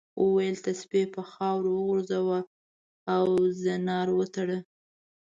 وویل تسبیح په خاورو وغورځوه او زنار وتړه.